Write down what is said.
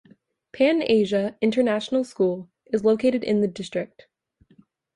Pan-Asia International School is located in the district.